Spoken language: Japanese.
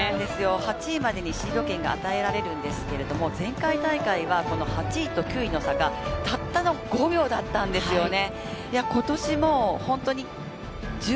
８位までにシード権が与えられるんですけれども、前回大会はこの８位と９位の差がたったの５秒だったんですよね。